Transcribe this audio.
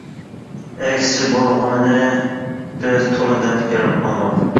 ئەكسىچە بولغىنىنى بىز تولا دەپ ھېرىپ قالدۇق.